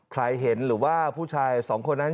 ใครเห็นหรือว่าผู้ชายสองคนนั้น